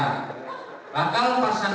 untuk ada lengkap dan memenuhi sarang